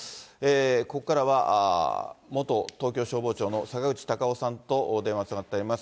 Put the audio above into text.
ここからは、元東京消防庁の坂口隆夫さんと電話つながっています。